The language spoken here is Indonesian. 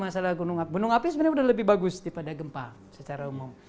masalah gunung api gunung api sebenarnya sudah lebih bagus daripada gempa secara umum